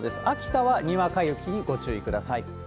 秋田はにわか雪にご注意ください。